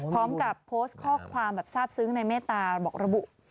พร้อมกับโพสต์ข้อความแบบทราบซึ้งในเมตตาบอกระบุ